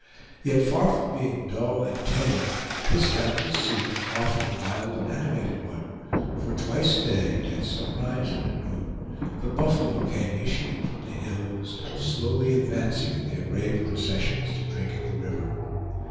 Yet far from being dull and tame this boundless scene was often a wild and animated one; for twice a day, at sunrise and at noon, the buffalo came issuing from the hills, slowly advancing in their grave processions to drink at the river.